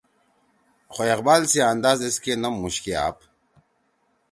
خو اقبال سی انداز ایسکے نم مُوشکے آپ